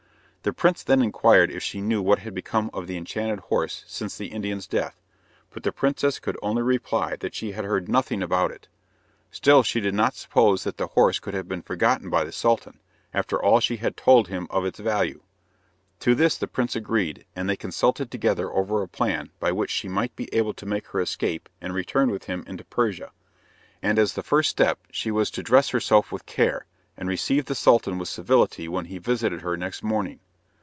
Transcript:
The prince then inquired if she knew what had become of the enchanted horse since the Indian's death, but the princess could only reply that she had heard nothing about it. Still she did not suppose that the horse could have been forgotten by the Sultan, after all she had told him of its value. To this the prince agreed, and they consulted together over a plan by which she might be able to make her escape and return with him into Persia. And as the first step, she was to dress herself with care, and receive the Sultan with civility when he visited her next morning.